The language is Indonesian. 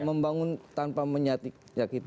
ya membangun tanpa menyakiti